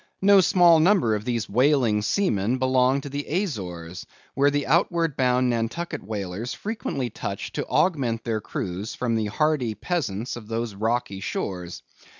No small number of these whaling seamen belong to the Azores, where the outward bound Nantucket whalers frequently touch to augment their crews from the hardy peasants of those rocky shores.